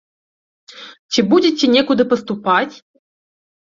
Ці будзеце некуды паступаць?